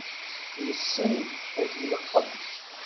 Yessen ad ileqqem.